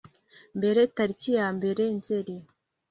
mbere tariki yambere Nzeri